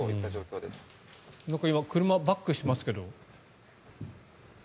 なんか今車バックしてますけど。